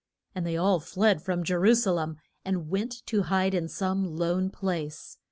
And they all fled from Je ru sa lem, and went to hide in some lone place.